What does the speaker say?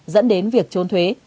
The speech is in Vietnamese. dẫn đến việc trôn thuế